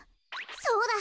そうだ！